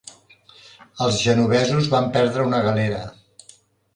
Els genovesos van perdre una galera.